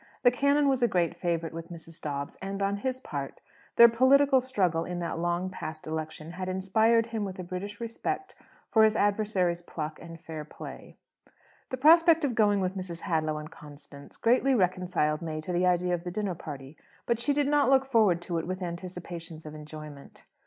The canon was a great favourite with Mrs. Dobbs; and, on his part, their political struggle in that long past election had inspired him with a British respect for his adversary's pluck and fair play. The prospect of going with Mrs. Hadlow and Constance greatly reconciled May to the idea of the dinner party. But she did not look forward to it with anticipations of enjoyment.